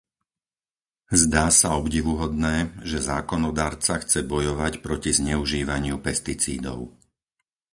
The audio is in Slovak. Zdá sa obdivuhodné, že zákonodarca chce bojovať proti zneužívaniu pesticídov.